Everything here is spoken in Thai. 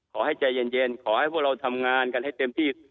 ขอให้ใจเย็นขอให้พวกเราทำงานกันให้เต็มที่